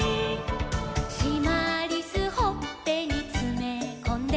「しまりすほっぺにつめこんで」